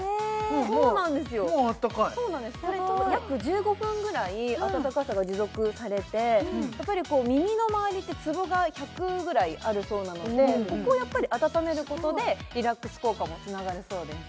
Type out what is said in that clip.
もうあったかい約１５分ぐらい温かさが持続されてやっぱり耳の周りってツボが１００ぐらいあるそうなのでここをやっぱり温めることですごいリラックス効果もつながるそうです